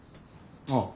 ああ。